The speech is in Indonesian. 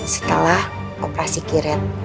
setelah operasi kiret